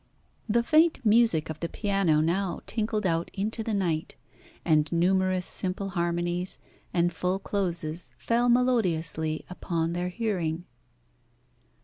The faint music of the piano now tinkled out into the night, and numerous simple harmonies and full closes fell melodiously upon their hearing.